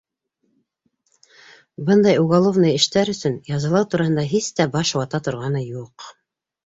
Бындай уголовный эштәр өсөн язалау тураһында һис тә баш вата торғаны юҡ.